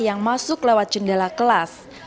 yang masuk lewat jendela kelas